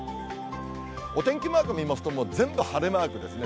お天気マーク見ますと、全部晴れマークですね。